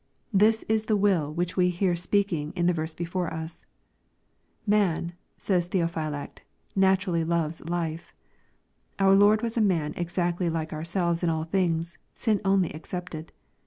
This is the will which we hear speaking in the verse before us. "Man," says Theophylact, " naturally loves hfe." Our Lord was a man exactly like ourselves in ail things, sin only excepted.